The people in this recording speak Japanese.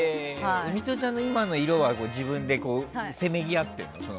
ミトちゃんの今の色は自分でせめぎ合ってるの？